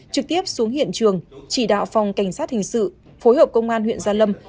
trực tiếp xuống hiện trường chỉ đạo phòng cảnh sát hình sự phối hợp công an huyện gia lâm